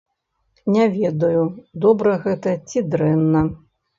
Не ведаю, добра гэта ці дрэнна.